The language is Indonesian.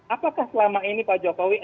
apakah selama ini pak jokowi efeknya itu berhasil